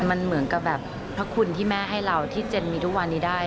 มันเหมือนกับแบบพระคุณที่แม่ให้เราที่เจนมีทุกวันนี้ได้